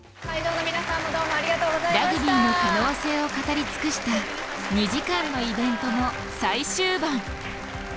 ラグビーの可能性を語り尽くした２時間のイベントも最終盤。